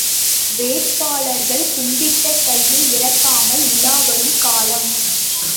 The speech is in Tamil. வேட்பாளர்கள் கும்பிட்ட கையை இறக்காமல் உலாவரும் காலம்!